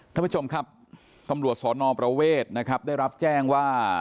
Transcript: ท่านผู้ชมครับตำรวจสนประเวทนะครับได้รับแจ้งว่า